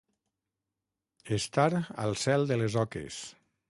Estar al cel de les oques.